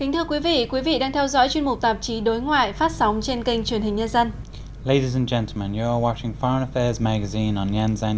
thưa quý vị quý vị đang theo dõi chuyên mục tạp chí đối ngoại phát sóng trên kênh truyền hình nhân dân